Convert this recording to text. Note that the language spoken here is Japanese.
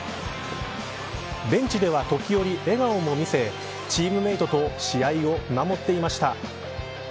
ベンチでは、時折笑顔も見せチームメートと試合を見守っていました。